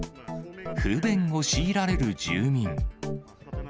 不便を強いられる住民。